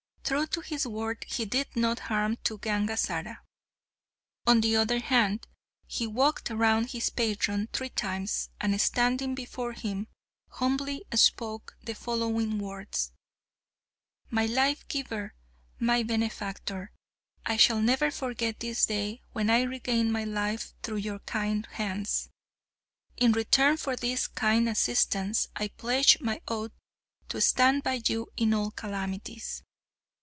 True to his word, he did no harm to Gangazara. On the other hand, he walked round his patron three times, and standing before him, humbly spoke the following words: "My life giver, my benefactor! I shall never forget this day, when I regained my life through your kind hands. In return for this kind assistance I pledge my oath to stand by you in all calamities.